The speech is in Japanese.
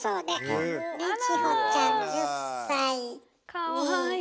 かわいい！